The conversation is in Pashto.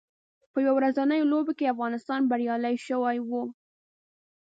په یو ورځنیو لوبو کې افغانستان بریالی شوی و